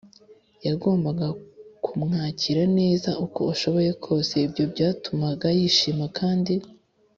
wagombaga kumwakira neza uko ushoboye kose. ibyo byatumaga yishima kandi